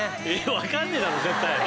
分かんねえだろ絶対。